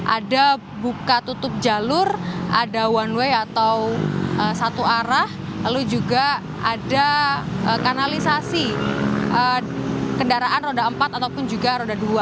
ada buka tutup jalur ada one way atau satu arah lalu juga ada kanalisasi kendaraan roda empat ataupun juga roda dua